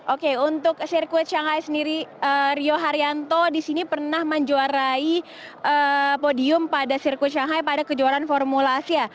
oke untuk sirkuit shanghai sendiri rio haryanto di sini pernah menjuarai podium pada sirkuit shanghai pada kejuaraan formula asia